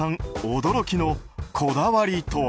驚きのこだわりとは。